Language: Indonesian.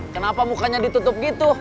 kenapa mukanya ditutup gitu